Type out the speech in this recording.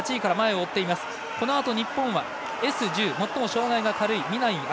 このあと日本はＳ１０最も障がいが軽い南井瑛